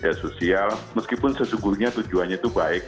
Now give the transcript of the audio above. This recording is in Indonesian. media sosial meskipun sesungguhnya tujuannya itu baik